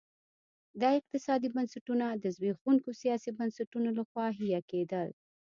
دا اقتصادي بنسټونه د زبېښونکو سیاسي بنسټونو لخوا حیه کېدل.